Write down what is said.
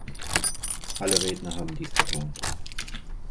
Alle Redner haben dies betont.